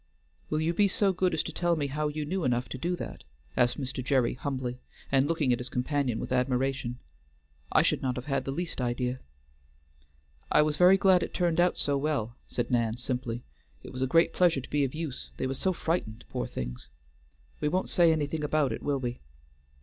"Will you be so good as to tell me how you knew enough to do that?" asked Mr. Gerry humbly, and looking at his companion with admiration. "I should not have had the least idea." "I was very glad it turned out so well," said Nan simply. "It was a great pleasure to be of use, they were so frightened, poor things. We won't say anything about it, will we?"